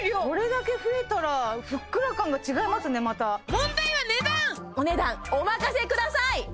これだけ増えたらふっくら感が違いますねまたお値段お任せください